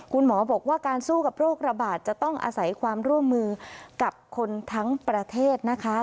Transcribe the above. คุณหมอบอกว่าการสู้กับโรคระบาดจะต้องอาศัยความร่วมมือกับคนทั้งประเทศนะคะ